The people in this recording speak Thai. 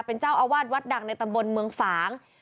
เป็นเจ้าอาวาสวัดดังในตำบลเมืองฝาง